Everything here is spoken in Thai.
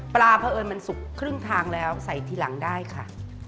ปลาเพราะเอิญมันสุกครึ่งทางแล้วใส่ทีหลังได้ค่ะ